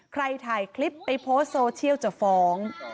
ใครถ่ายคลิปไปโพสต์โซเชียลจะฟ้อง